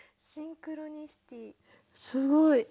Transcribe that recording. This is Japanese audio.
すごい。